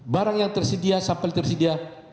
barang yang tersedia sampel tersedia